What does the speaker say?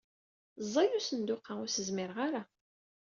Ẓẓay usenduq-a, ur s-zmireɣ.